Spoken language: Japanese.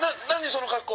その格好」。